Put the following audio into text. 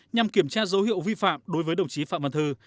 nhằm kiểm tra dấu hiệu vi phạm đối với đồng chí phạm văn thư